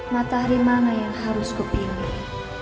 matahari mana yang harus kupingin